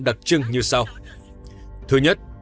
đặc trưng như sau thứ nhất